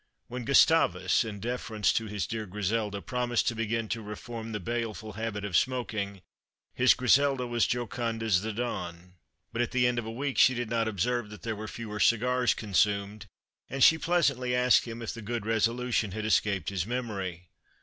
When Gustavus, in deference to his dear Griselda, promised to begin to reform the baleful habit of smoking, his Griselda was jocund as the dawn. But at the end of a week she did not observe that there were fewer cigars consumed, and she pleasantly asked him if the good resolution had escaped his memory.